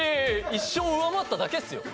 １勝上回っただけですよ。